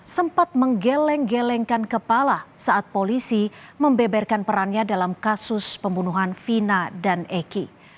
sempat menggeleng gelengkan kepala saat polisi membeberkan perannya dalam kasus pembunuhan vina dan eki